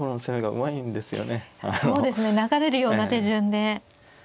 そうですね流れるような手順で。